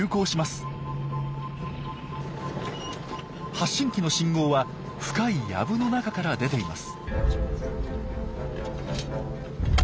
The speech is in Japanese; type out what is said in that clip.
発信機の信号は深い藪の中から出ています。